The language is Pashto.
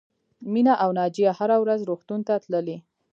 مینه او ناجیه هره ورځ روغتون ته تللې